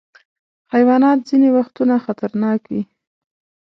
حیوانات ځینې وختونه خطرناک وي.